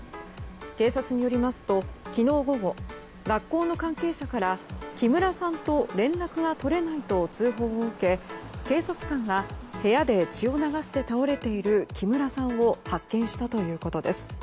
警察によりますと昨日午後、学校の関係者から木村さんと連絡が取れないと通報を受け警察官が部屋で血を流して倒れている木村さんを発見したということです。